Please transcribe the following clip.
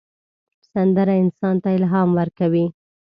سندره انسان ته الهام ورکوي